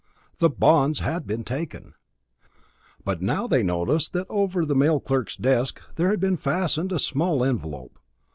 The bonds had been taken. But now they noticed that over the mail clerk's desk there had been fastened a small envelope.